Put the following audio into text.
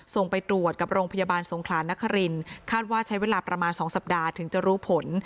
ส่งไปตรวจกับโรงพยาบาลสงขลานครินคาดว่าใช้เวลาประมาณ๒สัปดาห์ถึงจะรู้ผล